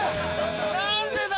何でだ！？